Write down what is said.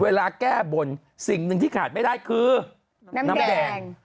เวลาแก้บนสิ่งหนึ่งที่ขาดไม่ได้คือน้ำแดง